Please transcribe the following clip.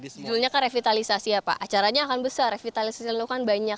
sebenarnya kan revitalisasi ya pak acaranya akan besar revitalisasi dilakukan banyak